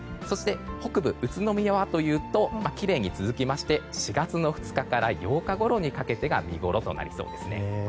そして北部の宇都宮はというときれいに続きまして４月２日から８日ごろにかけてが見ごろとなりそうです。